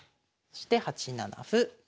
そして８七歩。